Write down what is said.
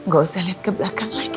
ga usah liat kebelakang lagi